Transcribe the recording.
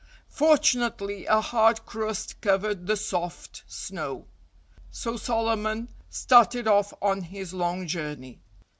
Fortunately, a hard crust covered the soft snow. So Solomon started off on his long journey.